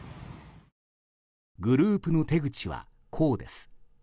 グループの手口は、こうです。